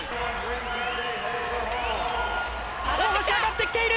大橋、上がってきている！